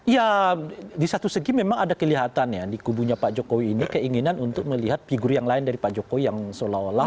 ya di satu segi memang ada kelihatan ya di kubunya pak jokowi ini keinginan untuk melihat figur yang lain dari pak jokowi yang seolah olah